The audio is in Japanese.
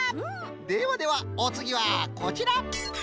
ではではおつぎはこちら！